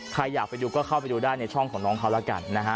ใครอยากไปดูก็เข้าไปดูได้ในช่องของน้องเขาแล้วกันนะฮะ